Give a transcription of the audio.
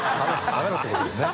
「食べろ」ってことですね。